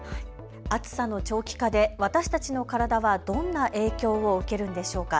暑さの長期化で私たちの体はどんな影響を受けるんでしょうか。